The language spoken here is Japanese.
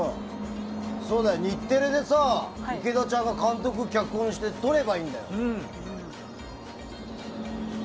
そうだよ、日テレで池田ちゃんが監督・脚本して撮ればいいんだよ。